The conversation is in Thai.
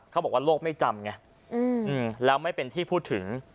เขาบอกว่าโลกไม่จำไงแล้วไม่เป็นที่พูดถึง